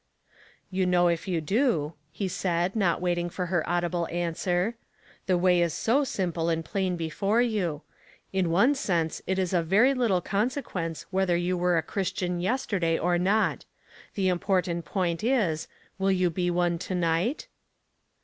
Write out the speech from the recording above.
"You know if you do," he said, not waiting for her audible answer, " the way is so simple and plain before you ; in one sense it is of very little consequence whether you were a Christian yesterday or not; the important point is, will you be one to night